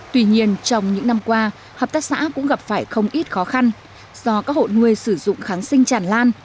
tuy nhiên trong những năm qua hợp tác xã cũng gặp phải không ít khó khăn do các hộ nuôi sử dụng kháng sinh tràn lan